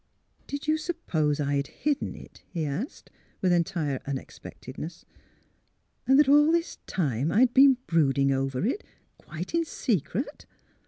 '' Did you suppose I had hidden it? " he asked, with entire unexpectedness. *' And that all this time I had been brooding over it — quite in secret?